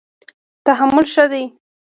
تحمل ښه دی.